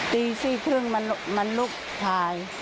ตี๔๓๐มันลุกพาย